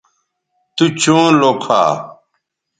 تو چوں لوکھا